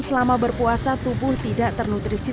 selama berpuasa tubuh tidak ternutrisi